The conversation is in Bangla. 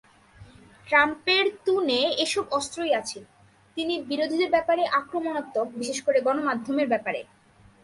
ট্রাম্পের তূণে এসব অস্ত্রই আছে, তিনি বিরোধীদের ব্যাপারে আক্রমণাত্মক, বিশেষ করে গণমাধ্যমের ব্যাপারে।